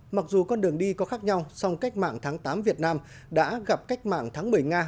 mặc dù con đường đi có khác nhau song cách mạng tháng tám việt nam đã gặp cách mạng tháng một mươi nga